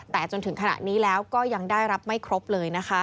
แต่จนถึงขณะนี้แล้วก็ยังได้รับไม่ครบเลยนะคะ